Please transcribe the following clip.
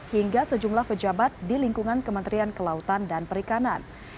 hingga sejumlah pejabat di lingkungan kementerian kelautan dan perikanan